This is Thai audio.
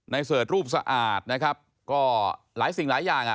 เสิร์ชรูปสะอาดนะครับก็หลายสิ่งหลายอย่างอ่ะ